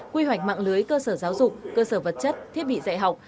quy hoạch mạng lưới cơ sở giáo dục cơ sở vật chất thiết bị dạy học